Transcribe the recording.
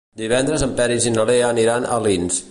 Divendres en Peris i na Lea aniran a Alins.